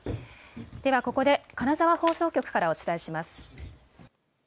ではここで金沢放送局からお伝えします。